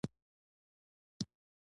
په ډونګیدو یې له سوري نه کاسې کشولې.